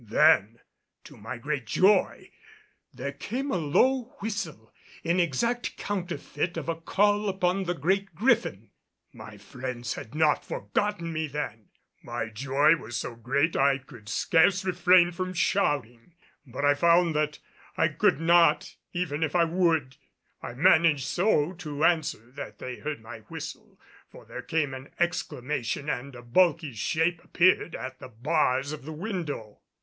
Then to my great joy there came a low whistle in exact counterfeit of a call upon the Great Griffin. My friends had not forgotten me then! My joy was so great I could scarce refrain from shouting. But I found I could not even if I would. I managed so to answer that they heard my whistle, for there came an exclamation and a bulky shape appeared at the bars of the window.